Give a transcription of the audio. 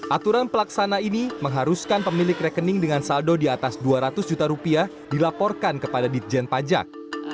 aturan pelaksana ini mengharuskan pemilik rekening dengan saldo di atas dua ratus juta rupiah dilaporkan kepada ditjen pajak